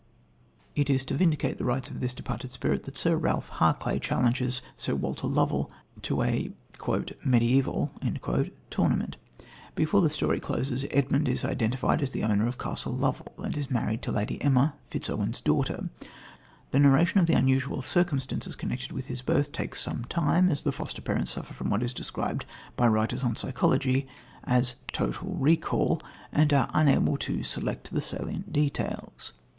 It is to vindicate the rights of this departed spirit that Sir Ralph Harclay challenges Sir Walter Lovel to a "mediaeval" tournament. Before the story closes, Edmund is identified as the owner of Castle Lovel, and is married to Lady Emma, Fitzowen's daughter. The narration of the unusual circumstances connected with his birth takes some time, as the foster parents suffer from what is described by writers on psychology as "total recall," and are unable to select the salient details.